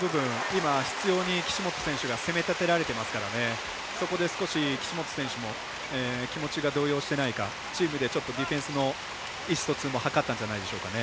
今、執ように岸本選手が攻めたてられてますから岸本選手も気持ちが動揺してないかチームでディフェンスの意思疎通も図ったんじゃないでしょうか。